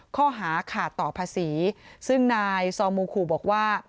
ข้อหาขาดต่อภาษีซึ่งนายซอมูคูบอกว่า